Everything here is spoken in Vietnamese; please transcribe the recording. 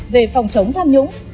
về phòng chống tham nhũng